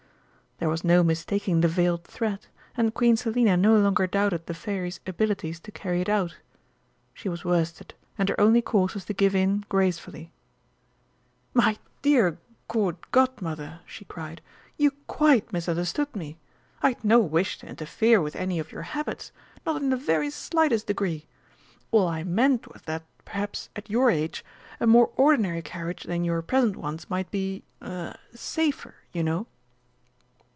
There was no mistaking the veiled threat, and Queen Selina no longer doubted the Fairy's abilities to carry it out. She was worsted, and her only course was to give in gracefully. "My dear Court Godmother!" she cried, "you quite misunderstood me! I'd no wish to interfere with any of your habits not in the very slightest degree. All I meant was that, perhaps, at your age, a more ordinary carriage than your present ones might be er safer, you know!"